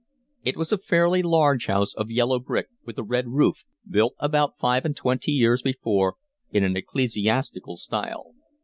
It was a fairly large house of yellow brick, with a red roof, built about five and twenty years before in an ecclesiastical style.